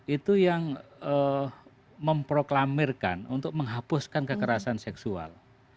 itu yang memproklamirkan untuk menghapuskan kekerasan seksual